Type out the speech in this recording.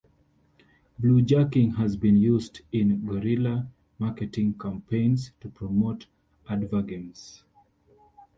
Bluejacking has been used in guerrilla marketing campaigns to promote advergames.